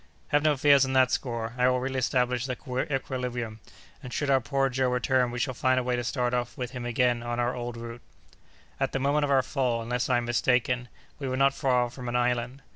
"Have no fears on that score, I will reestablish the equilibrium, and should our poor Joe return we shall find a way to start off with him again on our old route." "At the moment of our fall, unless I am mistaken, we were not far from an island."